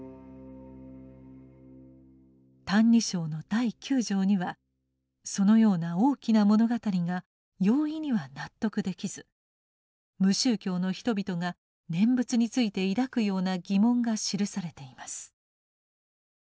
「歎異抄」の第九条にはそのような「大きな物語」が容易には納得できず無宗教の人々が念仏について抱くような疑問が記されています。